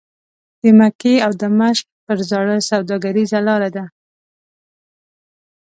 د مکې او دمشق پر زاړه سوداګریزه لاره ده.